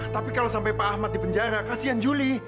tapi kalau sampai pak ahmad di penjara kasihan juli